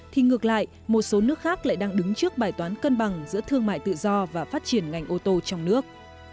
thì ngược lại một số nước khác lại đang đứng trước bài toán cân bằng giữa thương mại tự do và phát triển ngành ô tô trong nước